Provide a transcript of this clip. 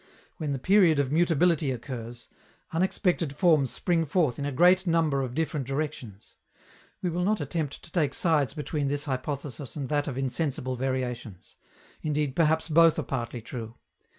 When the period of "mutability" occurs, unexpected forms spring forth in a great number of different directions. We will not attempt to take sides between this hypothesis and that of insensible variations. Indeed, perhaps both are partly true.